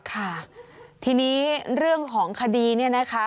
ค่ะทีนี้เรื่องของคดีเนี่ยนะคะ